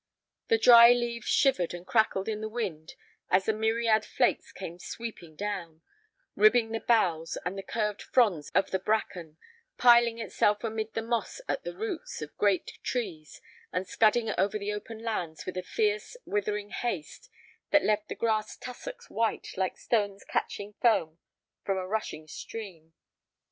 The dry leaves shivered and crackled in the wind as the myriad flakes came sweeping down, ribbing the boughs and the curved fronds of the bracken, piling itself amid the moss at the roots of great trees, and scudding over the open lands with a fierce, withering haste that left the grass tussocks white like stones catching foam from a rushing stream.